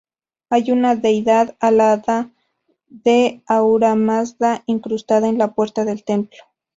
Hay una deidad alada de Ahura Mazda incrustada en la puerta del templo.